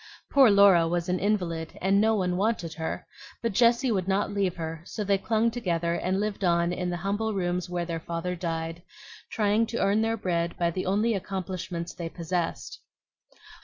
Poor Laura was an invalid, and no one wanted her; but Jessie would not leave her, so they clung together and lived on in the humble rooms where their father died, trying to earn their bread by the only accomplishments they possessed.